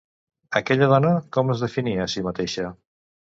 Aquella dona com es definia a si mateixa?